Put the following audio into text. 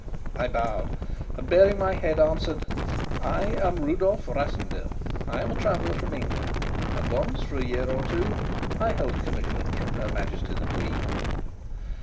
I bowed and, baring my head, answered: "I am Rudolf Rassendyll. I am a traveller from England; and once for a year or two I held a commission from her Majesty the Queen."